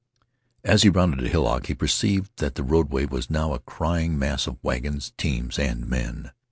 As he rounded a hillock, he perceived that the roadway was now a crying mass of wagons, teams, and men.